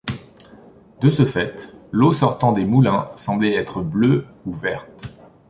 De ce fait, l'eau sortant des moulins semblait être bleue ou verte.